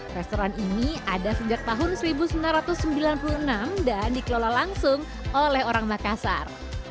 restoran ini ada sejak tahun seribu sembilan ratus sembilan puluh enam dan dikelola langsung oleh orang makassar